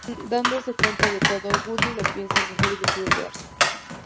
Dándose cuenta de todo Woody lo piensa mejor y decide quedarse.